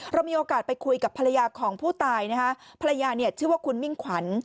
เรามีโอกาสไปคุยกับภรรยาของผู้ตายนะคะภรรยาเนี่ยชื่อว่าคุณมิ่งขวัญ